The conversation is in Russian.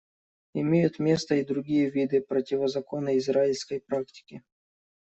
Имеют место и другие виды противозаконной израильской практики.